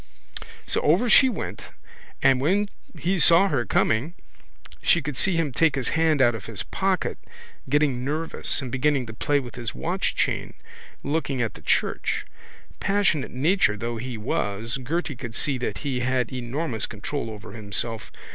So over she went and when he saw her coming she could see him take his hand out of his pocket, getting nervous, and beginning to play with his watchchain, looking up at the church. Passionate nature though he was Gerty could see that he had enormous control over himself.